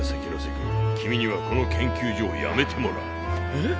えっ。